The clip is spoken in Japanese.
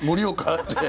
って。